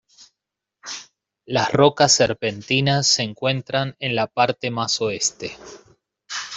Las rocas serpentinas se encuentran en la parte más oeste.